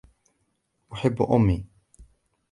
أحب أمي.